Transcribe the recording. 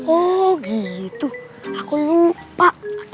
oh gitu aku lupa